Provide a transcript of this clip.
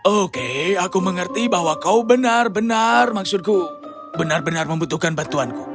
oke aku mengerti bahwa kau benar benar maksudku benar benar membutuhkan bantuanku